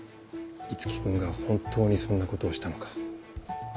五木君が本当にそんなことをしたのか。